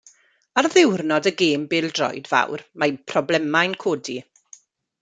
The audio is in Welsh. Ar ddiwrnod y gêm bêl-droed fawr, mae problemau'n codi.